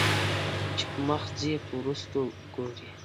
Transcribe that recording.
چې پۀ مخ ځې په وروستو ګورې